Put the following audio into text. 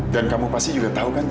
dan kamu pasti juga tahu kan